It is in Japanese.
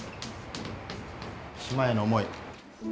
島への思い。